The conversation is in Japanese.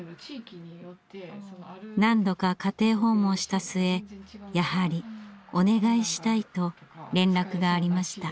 何度か家庭訪問した末やはりお願いしたいと連絡がありました。